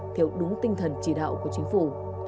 theo đúng tinh thần chỉ đạo của chính phủ